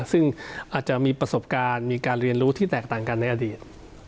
ซึ่งอาจจะมีประสบการณ์มีการเรียนรู้ที่แตกต่างกันในอดีต